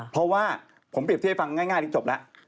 เพราะว่าผมเปรียบที่ให้ฟังง่ายหรือจบละ